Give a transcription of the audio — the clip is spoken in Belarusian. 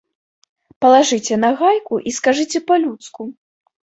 Палажыце нагайку і скажыце па-людску.